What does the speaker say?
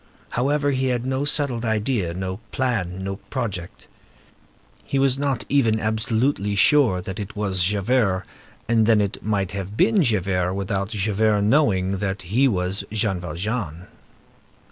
However, he had no settled idea, no plan, no project. He was not even absolutely sure that it was Javert, and then it might have been Javert, without Javert knowing that he was Jean Valjean.